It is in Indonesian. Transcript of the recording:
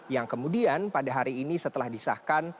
yang kemudian pada hari ini setelah disahkan